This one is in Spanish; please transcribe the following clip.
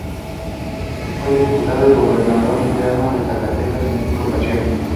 Fue diputado y gobernador interino de Zacatecas en cinco ocasiones.